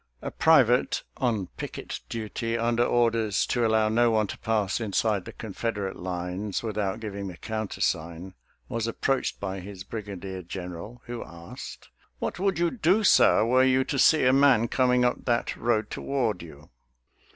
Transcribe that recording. A PRIVATE on picket duty, under orders to allow no one to pass inside the Confederate lines without giving the countersign, was approached by his brigadier general, who asked, " What would you do, sir, were you to see a man coming up that road toward you?